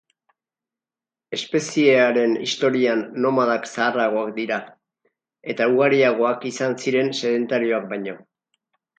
Espeziearen historian nomadak zaharragoak dira, eta ugariagoak izan ziren sedentarioak baino.